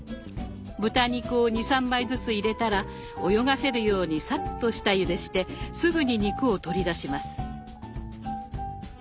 豚肉を２３枚ずつ入れたら泳がせるようにさっと下ゆでしてすぐに肉を取り出します。